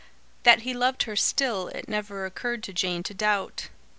That he loved her still, it never occurred to Jane to doubt.